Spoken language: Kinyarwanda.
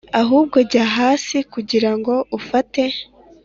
ahubwo jya hasi kugirango ufate